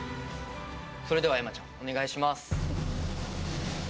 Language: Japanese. それではエマちゃんお願いします。